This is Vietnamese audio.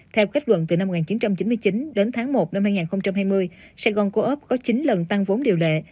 theo kết luận từ năm một nghìn chín trăm chín mươi chín đến tháng một năm hai nghìn hai mươi sài gòn co op có chín lần tăng vốn điều lệ